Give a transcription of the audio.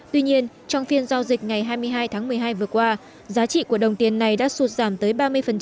tuy nhiên trong phiên giao dịch ngày hai mươi hai tháng một mươi hai vừa qua giá trị của đồng tiền này đã sụt giảm tới ba mươi